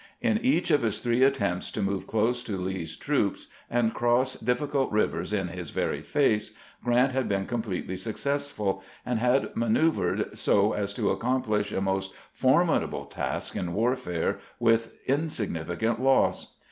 In each of his three at tempts to move close to Lee's troops and cross difficult rivers in his very face, Grrant had been completely suc cessful, and had manoeuvered so as to accomplish a most formidable task in warfare with insignificant loss.